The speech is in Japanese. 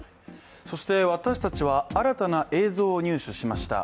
そして私たちは新たな映像を入手しました。